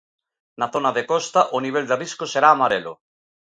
Na zona de costa, o nivel de risco será amarelo.